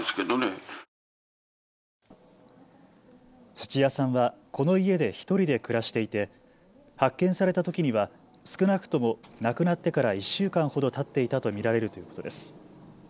土屋さんはこの家で１人で暮らしていて発見されたときには少なくとも亡くなってから１週間ほどたっていたと見られるということです。